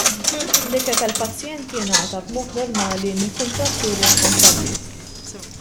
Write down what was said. L-ikel tal-pazjenti ngħata b'mod normali mill-kuntrattur responsabbli.